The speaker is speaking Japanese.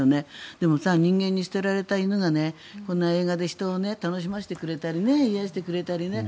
でも、人間に捨てられた犬が映画で人を楽しませてくれたり癒やしてくれたりね。